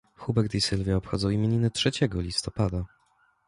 Hubert i Sylwia obchodzą imieniny trzeciego listopada.